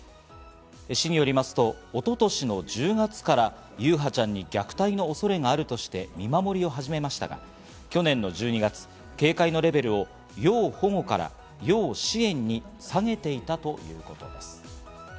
市によりますと、一昨年の１０月から優陽ちゃんに虐待の恐れがあるとして見守りを始めましたが、去年の１２月、警戒のレベルを要保護から要支援に下げていたということです。